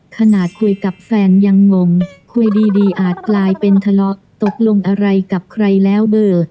ขนาดคุยกับแฟนยังงงคุยดีอาจกลายเป็นทะเลาะตกลงอะไรกับใครแล้วเบอร์